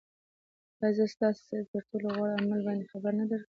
آیا زه تاسو ستاسې تر ټولو غوره عمل باندې خبر درنه نه کړم